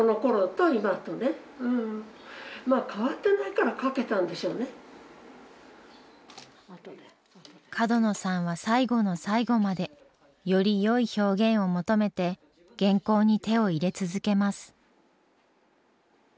だからでもね角野さんは最後の最後までよりよい表現を求めて原稿に手を入れ続けます。